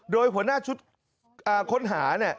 โดยหัวหน้าชุดค้นหาเนี่ย